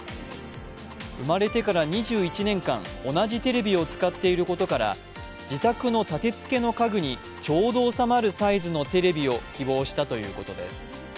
生まれてから２１年間、同じテレビを使っていることから自宅のたてつけの家具にちょうど収まるサイズのテレビを希望したということです。